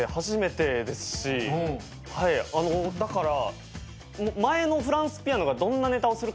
だから。